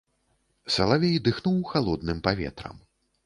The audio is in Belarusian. Салавей дыхнуў халодным паветрам.